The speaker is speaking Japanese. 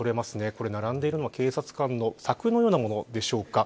これ並んでいるのは警察官の柵のようなものでしょうか。